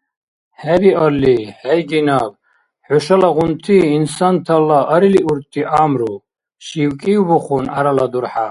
– ХӀебиалли, хӀейги наб хӀушалагъунти, инсантала арилиурти гӀямру, – шивкӀивбухъун гӀярала дурхӀя.